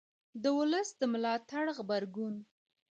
د ولس د ملاتړ غبرګون